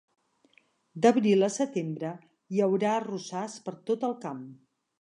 D'abril a setembre, hi haurà arrossars per tot el camp.